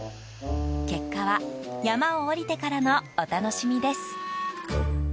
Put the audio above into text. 結果は山を下りてからのお楽しみです。